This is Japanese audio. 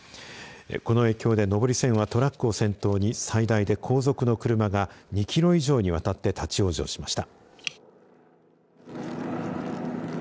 この影響で上り線をトラックを先頭に最大で後続の車が２キロ以上にわたって立往生しました。